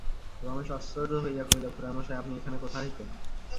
রমেশ আশ্চর্য হইয়া কহিল, খুড়ামশায়, আপনি এখানে কোথা হইতে?